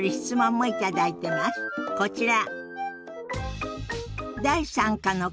こちら。